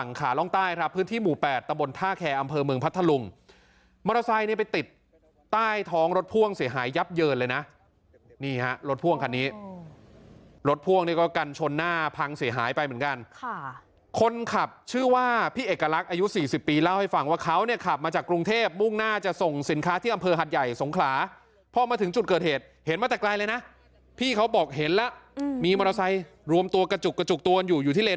นี่ฮะรถพ่วงคันนี้รถพ่วงนี่ก็กันชนหน้าพังเสียหายไปเหมือนกันค่ะคนขับชื่อว่าพี่เอกลักษณ์อายุ๔๐ปีเล่าให้ฟังว่าเขาเนี่ยขับมาจากกรุงเทพฯมุ่งหน้าจะส่งสินค้าที่อำเภอหัดใหญ่สงขลาพ่อมาถึงจุดเกิดเหตุเห็นมาแต่ไกลเลยนะพี่เขาบอกเห็นแล้วมีมอเตอร์ไซค์รวมตัวกระจุกกระจุกตัวอย